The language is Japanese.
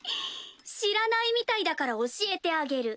知らないみたいだから教えてあげる。